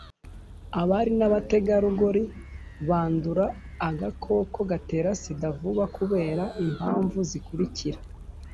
abari n’abategarugori bandura agakoko gatera sida vuba kubera impamvu zikurikira